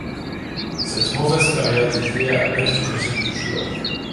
Cette mauvaise période est liée à la baisse de régime du joueur.